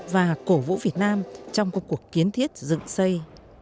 và cổ vũ việt nam trong công cuộc kiến thiết dựng xây